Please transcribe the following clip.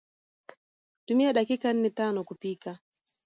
Tumia dakika nnetanokupika